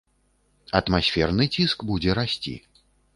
Атмасферны ціск будзе расці.